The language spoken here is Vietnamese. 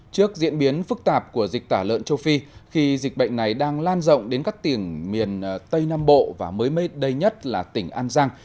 trước diễn biến phức tạp của dịch tả lợn châu phi khi dịch bệnh này đang lan rộng đến các tiền miền tây nam bộ và mới mê đầy nhất là tỉnh an giang